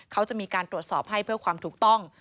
เขาจะมีการตรวจสอบให้เพื่อความถูกต้อง